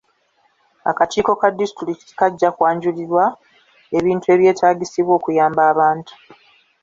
Akakiiko ka disitulikiti kajja kwanjulirwa ebintu ebyetaagisibwa okuyamba abantu.